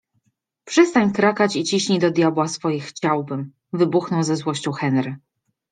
- Przestań krakać i ciśnij do diabła swoje ''chciałbym ''- wybuchnął ze złością Henry. -